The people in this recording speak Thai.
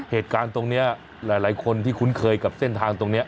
เหตุการณ์ตรงนี้หลายคนที่คุ้นเคยกับเส้นทางตรงนี้